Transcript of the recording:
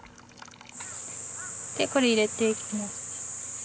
これ入れていきます。